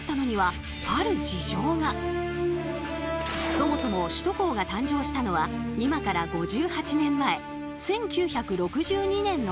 そもそも首都高が誕生したのは今から５８年前１９６２年のこと。